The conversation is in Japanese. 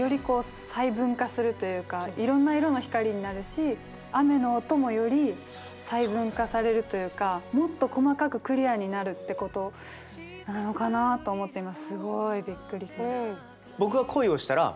こう細分化するというかいろんな色の光になるし雨の音もより細分化されるというかもっと細かくクリアになるってことなのかなあと思って今すごいびっくりしました。